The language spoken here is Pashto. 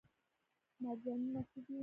مرجانونه څه دي؟